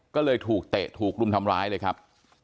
ก็เลยถูกเตะถูกรุมทำร้ายเลยครับ